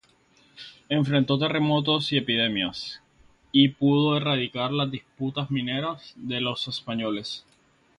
Enfrentó terremotos y epidemias, y pudo erradicar las disputas mineras de los españoles.